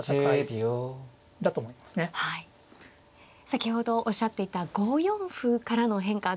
先ほどおっしゃっていた５四歩からの変化